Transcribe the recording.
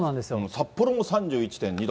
札幌も３１．２度。